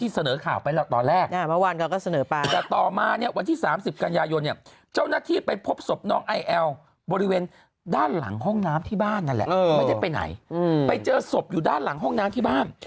ซึ่งไม่ได้ไปไหนไปเจอศพอยู่ด้านหลังห้องน้ำที่บ้าน